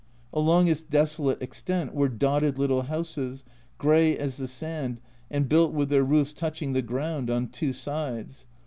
Along its desolate extent were dotted little houses, grey as the sand, and built with their roofs touching the ground on two sides